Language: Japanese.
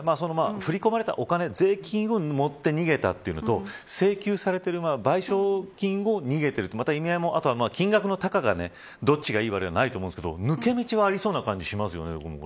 振り込まれたお金税金を持って逃げたというのと請求されている賠償金を逃げていると、意味合いも金額のどっちがいい悪いないと思うんですけど抜け道はあるような感じしますよね。